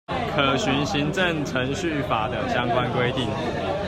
可循行政程序法等相關規定